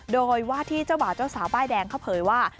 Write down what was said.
โดยว่าที่เจ้าบ่าวเจ้าสาวป้ายแดงเขาเผยว่า